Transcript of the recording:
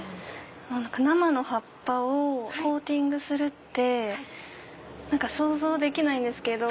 生の葉っぱをコーティングするって想像できないんですけど。